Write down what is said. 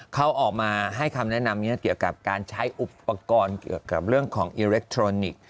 เขาออกมาให้คำแนะนำเกี่ยวกับการใช้อุปกรณ์เกี่ยวกับเรื่องของอิเล็กทรอนิกส์